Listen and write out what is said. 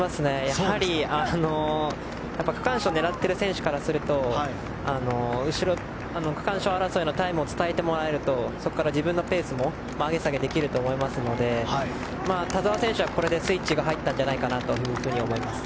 やはり区間賞を狙っている選手からすると後ろ、区間賞争いのタイムを伝えてもらえるとそこから自分のペースも上げ下げできると思いますので田澤選手はこれでスイッチが入ったんじゃないかなと思います。